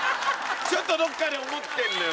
ちょっとどこかで思ってるのよ。